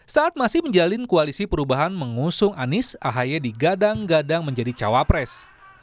saat masih menjalin koalisi perubahan mengusung anies ahy digadang gadang menjadi cawapres